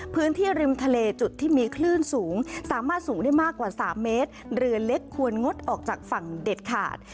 พื้นที่ริมทะเลจุดที่มีคลื่นสูงสามารถสูงได้มากกว่าสามเมตรเรือเล็กควรงดออกจากฝั่งเด็ดขาด